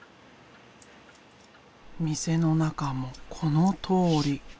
店の中もこのとおり。